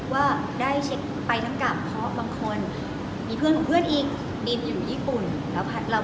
ว่าได้เช็คไปทั้งกลับ